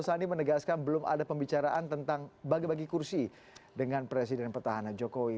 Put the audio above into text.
sandi menegaskan belum ada pembicaraan tentang bagi bagi kursi dengan presiden petahana jokowi